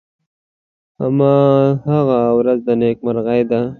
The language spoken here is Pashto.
هماغه ورځ د نیکمرغۍ ده .